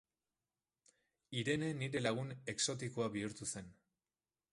Irene nire lagun exotikoa bihurtu zen.